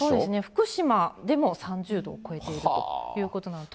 福島でも３０度超えているということなんです。